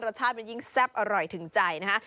รสชาติมันยิ่งแซ่บอร่อยถึงใจนะฮะ